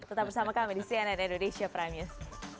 tetap bersama kami di cnn indonesia prime news